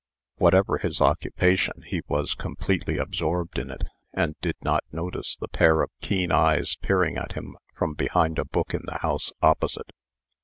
Whatever his occupation, he was completely absorbed in it, and did not notice the pair of keen eyes peering at him from behind a book in the house opposite.